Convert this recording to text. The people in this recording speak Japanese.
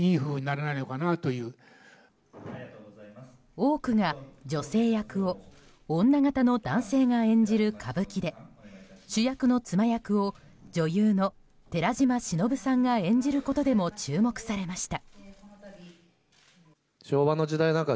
多くが女性役を女形の男性が演じる歌舞伎で主役の妻役を女優の寺島しのぶさんが演じることでも注目されました。